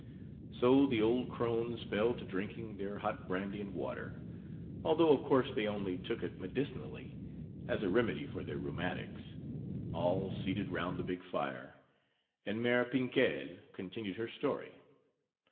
So the old crones fell to drinking their hot brandy and water (although of course they only took it medicinally, as a remedy for their rheumatics), all seated round the big fire and Mère Pinquèle continued her story.